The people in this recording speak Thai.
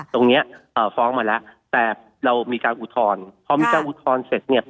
ตรงเนี้ยเอ่อฟ้องมาแล้วแต่เรามีการอุทธรณ์พอมีการอุทธรณ์เสร็จเนี่ย